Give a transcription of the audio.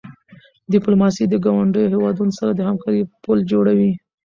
ډیپلوماسي د ګاونډیو هېوادونو سره د همکاری پل جوړوي.